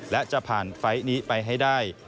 และจะผ่านไฟล์นี้ไปให้ได้